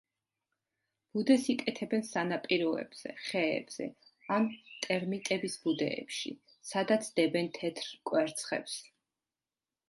ბუდეს იკეთებენ სანაპიროებზე, ხეებზე ან ტერმიტების ბუდეებში, სადაც დებენ თეთრ კვერცხებს.